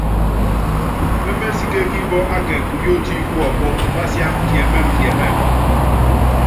Pémésíkékí pɔ́ akɛ kuyótí wɔpɔ́, pásiáma kiɛmɛ́mɛkiɛmɛ́mɛ.